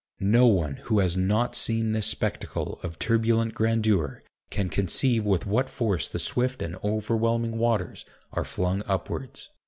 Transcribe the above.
No one who has not seen this spectacle of turbulent grandeur can conceive with what force the swift and overwhelming waters are flung upwards.